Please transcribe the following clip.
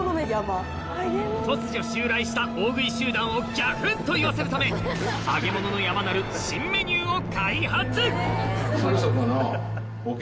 突如襲来した大食い集団をギャフンと言わせるためなる新メニューを開発すぐそこの。